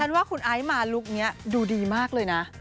ว่าคุณไอซ์มาลุคนี้ดูดีมากเลยนะ